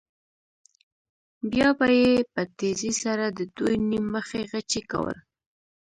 بیا به یې په تېزۍ سره د دوی نیم مخي غچي کول.